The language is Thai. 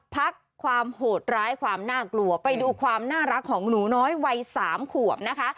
พักความโหดร้ายความน่ากลัวไปดูความน่ารักของหนูน้อยวัย๓ขวบนะคะ